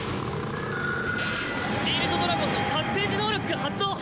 シールドドラゴンの覚醒時能力が発動。